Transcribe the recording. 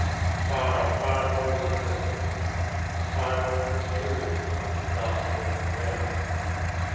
Far, far more wonderfully, and far more mysteriously thou knowest them.